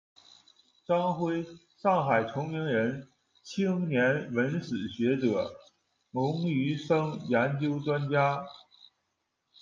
张晖，上海崇明人，青年文史学者，龙榆生研究专家。